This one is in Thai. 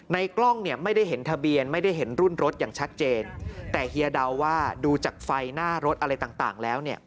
กล้องเนี่ยไม่ได้เห็นทะเบียนไม่ได้เห็นรุ่นรถอย่างชัดเจนแต่เฮียเดาว่าดูจากไฟหน้ารถอะไรต่างแล้วเนี่ย